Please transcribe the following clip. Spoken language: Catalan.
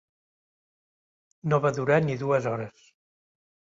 No va durar ni dues hores.